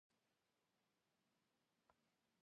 Blağejre dıjınıjre.